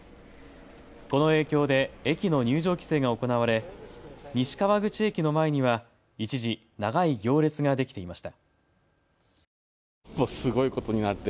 この影響で駅の入場規制が行われ西川口駅の前には一時、長い行列ができていました。